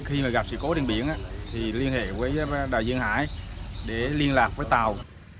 nên khi mà gặp sự cố trên biển thì liên hệ với đài viên hải để liên lạc với tàu